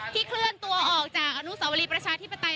เคลื่อนตัวออกจากอนุสาวรีประชาธิปไตย